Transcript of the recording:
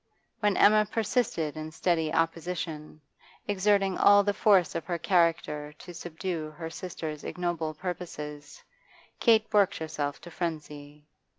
When Emma persisted in steady opposition, exerting all the force of her character to subdue her sister's ignoble purposes, Kate worked herself to frenzy.